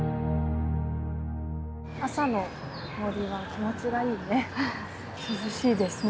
朝の森は気持ちがいいね。